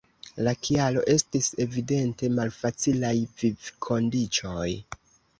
La kialo estis evidente malfacilaj vivkondiĉoj.